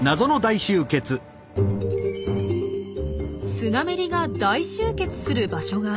「スナメリが大集結する場所がある」